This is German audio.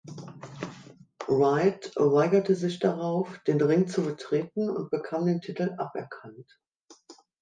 Wright weigerte sich darauf, den Ring zu betreten und bekam den Titel aberkannt.